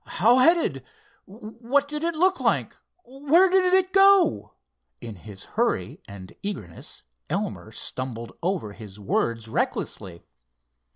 "How headed? What did it look like? Where did it go?" In his hurry and eagerness Elmer stumbled over his words recklessly.